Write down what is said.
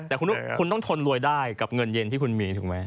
แต่คุณต้องทนรวยได้กับเงินเย็นที่คุณมีถูกไหม